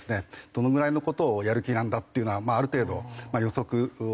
どのぐらいの事をやる気なんだっていうのはある程度予測する事が。